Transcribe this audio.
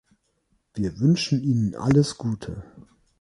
Wir wünschen Ihnen alles Gute!